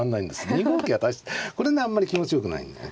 ２五桂は大してこれねあんまり気持ちよくないんだね